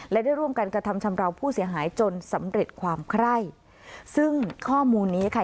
และได้ร่วมกันกระทำชำราวผู้เสียหายจนสำเร็จความไคร่ซึ่งข้อมูลนี้ค่ะ